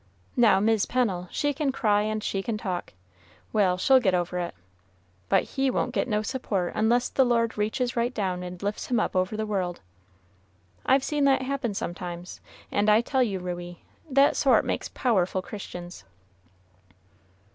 Now, Mis' Pennel, she can cry and she can talk, well, she'll get over it; but he won't get no support unless the Lord reaches right down and lifts him up over the world. I've seen that happen sometimes, and I tell you, Ruey, that sort makes powerful Christians."